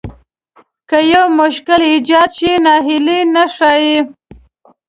که يو مشکل ايجاد شي ناهيلي نه ښايي.